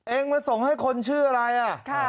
เอ็งมาส่งให้คนชื่ออะไรอะ